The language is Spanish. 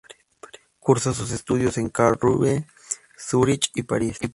Cursó sus estudios en Karlsruhe, Zúrich y París.